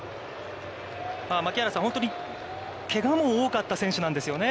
槙原さん、本当に、けがも多かった選手なんですよね。